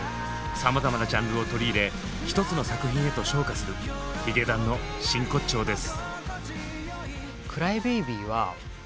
さまざまなジャンルを取り入れ１つの作品へと昇華するヒゲダンの真骨頂です。